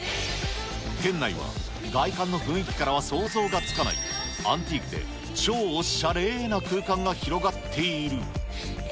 店内は外観の雰囲気からは想像がつかないアンティークで超おしゃれーな空間が広がっている。